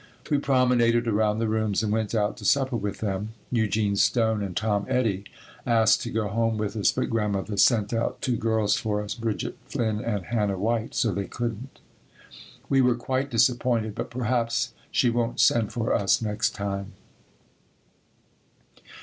We promenaded around the rooms and went out to supper with them. Eugene Stone and Tom Eddy asked to go home with us but Grandmother sent our two girls for us, Bridget Flynn and Hannah White, so they couldn't. We were quite disappointed, but perhaps she won't send for us next time.